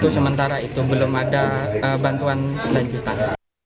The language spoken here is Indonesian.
sementara itu belum ada bantuan lanjutan